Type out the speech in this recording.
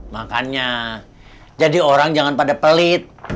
makannya jadi orang jangan pada pelit